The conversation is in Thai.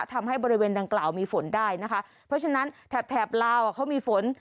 ทำให้บริเวณดังกล่าวมีฝนได้นะคะเพราะฉะนั้นแถบแถบลาวเขามีฝน